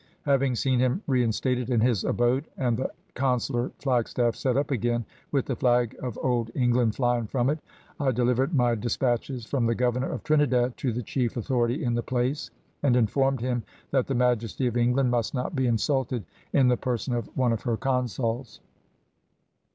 Having seen him reinstated in his abode, and the consular flagstaff set up again with the flag of old England flying from it, I delivered my despatches from the Governor of Trinidad to the chief authority in the place, and informed him that the Majesty of England must not be insulted in the person of one of her consuls.